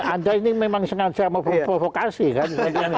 anda ini memang sengaja memprovokasi kan